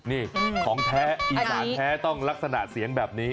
นี่ของแท้อีสานแท้ต้องลักษณะเสียงแบบนี้